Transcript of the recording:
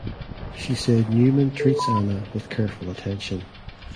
She said Newman treats Anna with "careful attention".